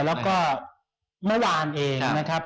แล้วก็เมื่อวานเองนะครับ